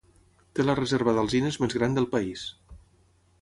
Té la reserva d'alzines més gran del país.